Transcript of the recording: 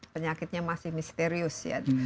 penyakitnya masih misterius